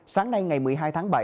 sáng nay ngày một mươi hai tháng bảy